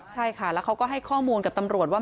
ใช่ค่ะแล้วเขาก็ให้ข้อมูลกับตำรวจว่า